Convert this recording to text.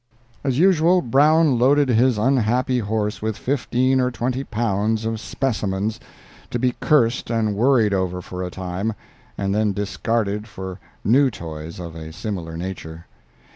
As usual, Brown loaded his unhappy horse with fifteen or twenty pounds of "specimens," to be cursed and worried over for a time, and then discarded for new toys of a similar nature.